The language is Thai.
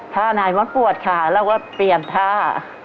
ท่านายมัดปวดขาแล้วก็เปลี่ยนท่า